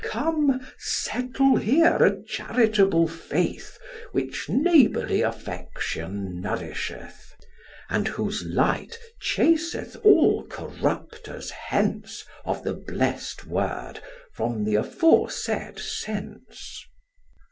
Come, settle here a charitable faith, Which neighbourly affection nourisheth. And whose light chaseth all corrupters hence, Of the blest word, from the aforesaid sense.